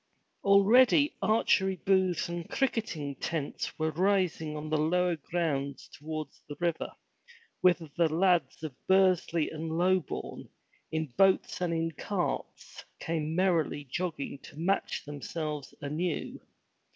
Already archery booths and cricketing tents were rising on the lower grounds towards the river, whither the lads of Bursley and Lobourne, in boats and in carts, came merrily jogging to match themselves anew.